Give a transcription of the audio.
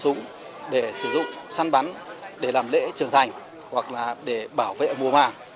trong nhà thường xuyên có một khẩu súng để sử dụng săn bắn để làm lễ trưởng thành hoặc là để bảo vệ mùa màng